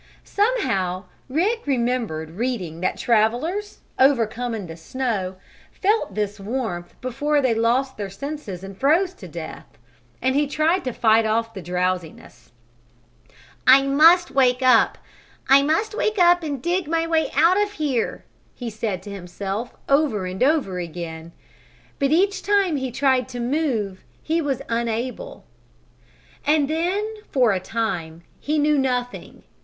Somehow Rick remembered reading that travelers, overcome in the snow, felt this warmth before they lost their senses and froze to death. And he tried to fight off the drowsiness. "I must wake up! I must wake up and dig my way out of here!" he said to himself over and over again. But each time he tried to move he was unable. And then for a time he knew nothing.